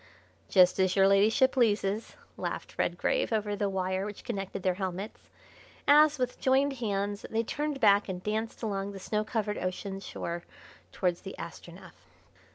"Just as your Ladyship pleases," laughed Redgrave over the wire which connected their helmets, as, with joined hands, they turned back and danced along the snow covered ocean shore towards the Astronef.